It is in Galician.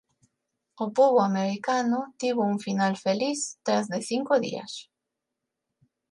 O pobo americano tivo un final feliz tras de cinco días...